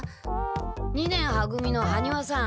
二年は組の羽丹羽さん。